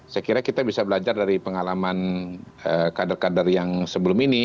saya kira kita bisa belajar dari pengalaman kader kader yang sebelum ini